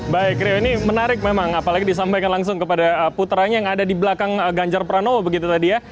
baik rio ini menarik memang apalagi disampaikan langsung kepada putranya yang ada di belakang ganjar pranowo begitu tadi ya